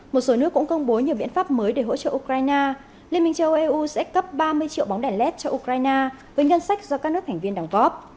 một số nước cũng công bố nhiều biện pháp mới để hỗ trợ ukraine liên minh châu âu eu sẽ cấp ba mươi triệu bóng đèn led cho ukraine với ngân sách do các nước thành viên đóng góp